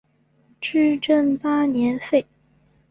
至正八年废。